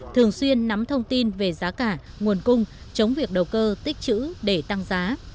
thường xuyên nắm thông tin về giá cả nguồn cung chống việc đầu cơ tích chữ để tăng giá